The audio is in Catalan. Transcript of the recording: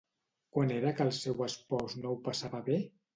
Quan era que el seu espòs no ho passava bé?